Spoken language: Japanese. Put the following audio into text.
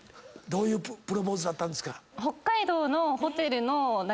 どういうプロポーズだったんですか？